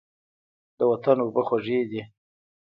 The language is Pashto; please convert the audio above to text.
د وطن اوبه خوږې دي.